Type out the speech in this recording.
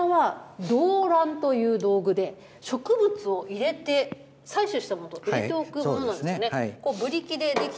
そしてこちらは、胴乱という道具で、植物を入れて、採取したものを入れておくものなんですね。